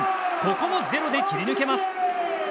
ここも０で切り抜けます。